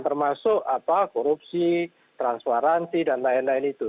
termasuk apa korupsi transwaransi dan lain lain itu